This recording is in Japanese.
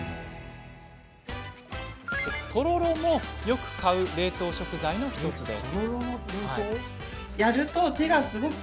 とろろもよく買う冷凍食材の１つです。